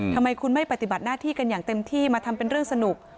ทำไมคุณไม่ปฏิบัติหน้าที่กันอย่างเต็มที่มาทำเป็นเรื่องสนุก